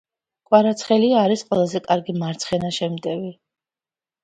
კვარაცხელია არის ყველაზე კარგი მარცხენა შემტევი